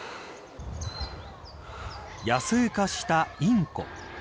野生化したインコ。